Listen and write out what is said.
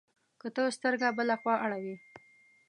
که ته سترګه بله خوا اړوې،